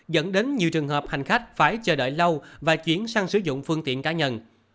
dẫn đến nhiều trường hợp hành khách phải chờ đợi lâu và chuyển sang sử dụng phương tiện cá nhân